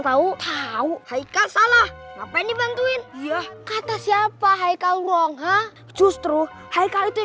tahu tahu haikal salah ngapain dibantuin kata siapa haikal wrong justru haikal itu